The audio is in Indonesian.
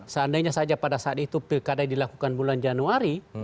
seandainya saja pada saat itu pilkada dilakukan bulan januari